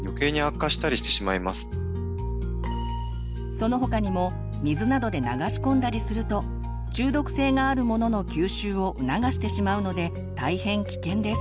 その他にも水などで流し込んだりすると中毒性があるものの吸収をうながしてしまうので大変危険です。